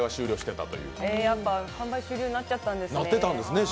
やっぱ販売終了になってたんですね。